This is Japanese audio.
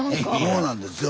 そうなんですよ。